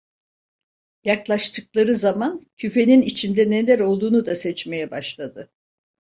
Yaklaştıkları zaman küfenin içinde neler olduğunu da seçmeye başladı.